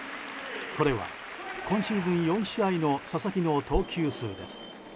これは今シーズン４試合の佐々木の投球数です。